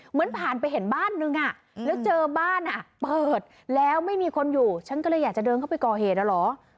เหมือนผ่านไปเห็นบ้านนึงแล้วเจอบ้านเปิดแล้วไม่มีคนอยู่ฉันก็เลยอยากจะเดินเข้าไปก่อเหตุแล้วเหรอ